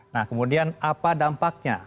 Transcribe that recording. nah kemudian apa dampaknya